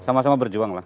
sama sama berjuang lah